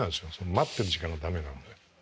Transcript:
待ってる時間が駄目なので。